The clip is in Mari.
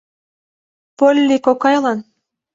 — Полли кокайлан.